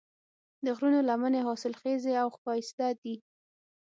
د غرونو لمنې حاصلخیزې او ښایسته دي.